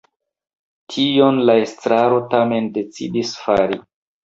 Tion la estraro tamen decidis fari.